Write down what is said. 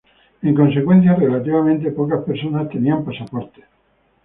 En consecuencia, relativamente pocas personas tenían pasaportes.